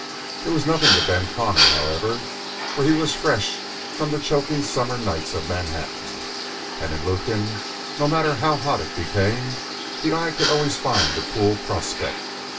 It was nothing to Ben Connor, however, for he was fresh from the choking summer nights of Manhattan, and in Lukin, no matter how hot it became, the eye could always find a cool prospect.